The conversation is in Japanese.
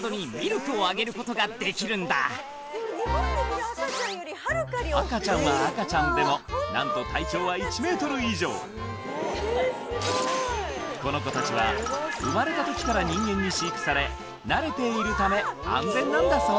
ここでは赤ちゃんは赤ちゃんでも何と体長は１ｍ以上この子たちは生まれた時から人間に飼育され慣れているため安全なんだそう